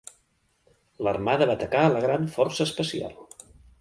L'Armada va atacar la gran força especial.